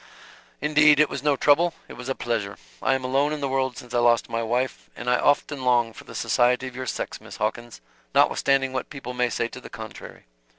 "Indeed it was no trouble. It was a pleasure. I am alone in the world since I lost my wife, and I often long for the society of your sex, Miss Hawkins, notwithstanding what people may say to the contrary."